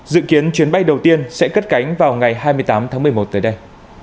dự kiến chuyến bay đầu tiên sẽ cất cánh vào ngày hai mươi tám tháng một mươi một tới đây